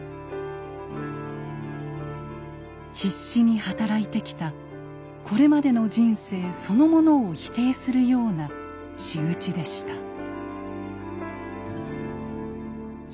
必死に働いてきたこれまでの人生そのものを否定するような仕打ちでした。